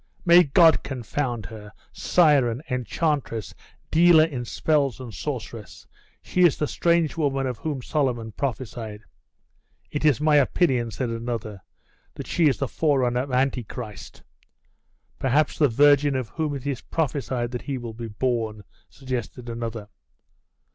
'May God confound her, siren, enchantress, dealer in spells and sorceress! She is the strange woman of whom Solomon prophesied.' 'It is my opinion,' said another, 'that she is the forerunner of Antichrist.' 'Perhaps the virgin of whom it is prophesied that he will be born,' suggested another.